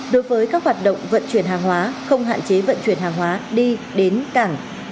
đối với các hoạt động vận chuyển hàng hóa không hạn chế vận chuyển hàng hóa đi đến cảng